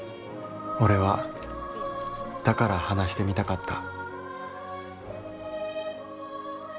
「俺はだから話してみたかった」。